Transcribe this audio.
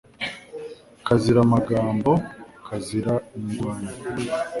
Kazira amagambo, kazira indwanyi